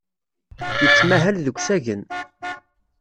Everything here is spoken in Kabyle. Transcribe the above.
Yettmahal deg usagen.